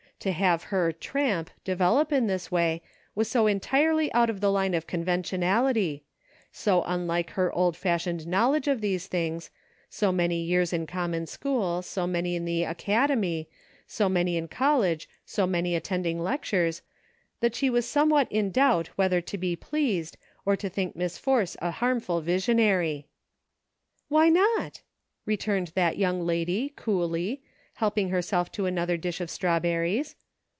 To have her "tramp" develop in this way was so entirely out of the line of conven tionality ; so unlike her old fashioned knowledge l66 SAGE CONCLUSIONS. of these things, so many years in common school, so many in the "academy," so many in college, so many attending lectures, that she was somewhat in doubt whether to be pleased, or to think Miss Force a harmful visionary. " Why not ?" returned that young lady, coolly, helping herself to another dish of strawberries.